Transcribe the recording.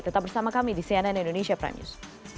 tetap bersama kami di cnn indonesia prime news